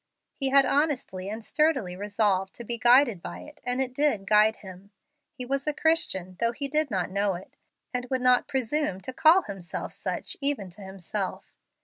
He had honestly and sturdily resolved to be guided by it, and it did guide him. He was a Christian, though he did not know it, and would not presume to call himself such even to himself.